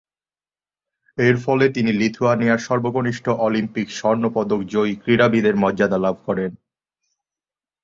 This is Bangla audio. এরফলে তিনি লিথুয়ানিয়ার সর্বকনিষ্ঠ অলিম্পিক স্বর্ণপদক জয়ী ক্রীড়াবিদের মর্যাদা লাভ করেন।